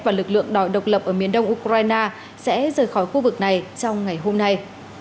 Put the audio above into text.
và lực lượng đòi độc lập ở miền đông ukraine sẽ rời khỏi khu vực này trong ngày hôm nay